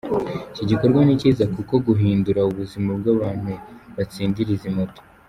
Iki gikorwa ni cyiza kuko gihindura ubuzima bw’abantu batsindira izi moto.